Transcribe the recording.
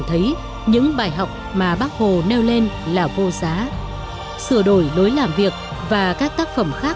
hãy đăng ký kênh để ủng hộ kênh của mình nhé